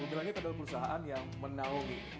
mobil langit adalah perusahaan yang menaungi